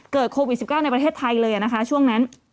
โควิด๑๙ในประเทศไทยเลยนะคะช่วงนั้น